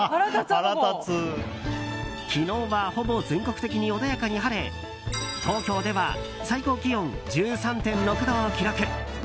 昨日はほぼ全国的に穏やかに晴れ東京では最高気温１３．６度を記録。